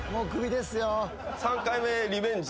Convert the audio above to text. ３回目リベンジ。